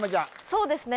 そうですね